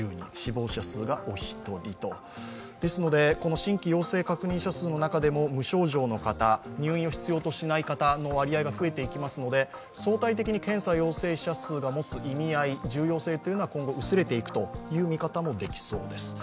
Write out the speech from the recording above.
新規陽性確認者数の中でも無症状の方、入院を必要としない方の割合が増えていきますので相対的に検査陽性者が持つ意味合い、重要性は今後、薄れていくという見方もできそうです。